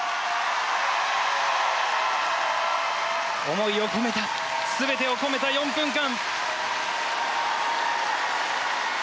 思いを込めた全てを込めた４分間。